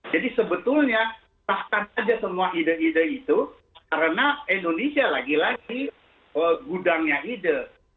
jadi sebetulnya pastikan aja semua ide ide itu karena indonesia lagi lagi gudangnya ide